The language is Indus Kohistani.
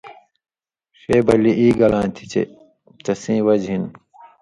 ݜے بلی ایگلا گلاں تھی چے تسیں وجہۡ ہِن